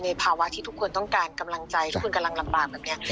ภาวะที่ทุกคนต้องการกำลังใจทุกคนกำลังลำบากแบบนี้